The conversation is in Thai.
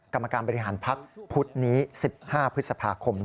กรรมการบริหารพักพุธนี้๑๕พฤษภาคม